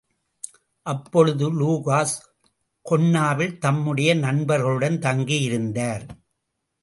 அப்பொழுது லூகாஸ் கொன்னாவில் தம்முடைய நண்பர்களுடன் தங்கியிருந்தார்.